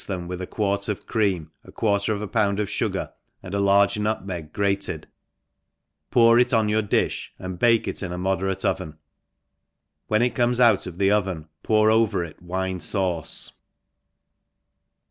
them with a quart of cream# a qikartet of a pound of fugar, and a largt nutmeg gtaied, pour it On yo^r difli, and 1>ake it in a moderate oiren, wheA it comes out of the orelii pour over it wifte fauce.